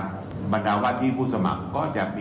การสอบส่วนแล้วนะ